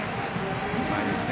うまいですね。